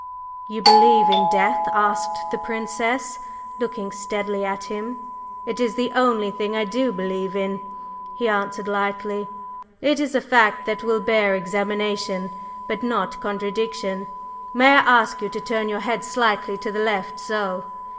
"You believe in Death?" asked the Princess, looking steadily at him. "It is the only thing I do believe in," he answered lightly. "It is a fact that will bear examination, but not contradiction. May I ask you to turn your head slightly to the left so!